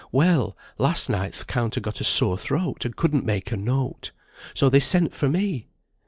Well, last night th' counter got a sore throat and couldn't make a note. So they sent for me.